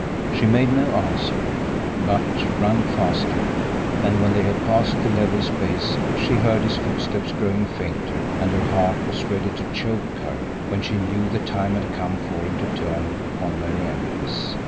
She made no answer, but ran faster; and when they had passed the level space she heard his footsteps growing fainter, and her heart was ready to choke her when she knew the time had come for him to turn upon their enemies.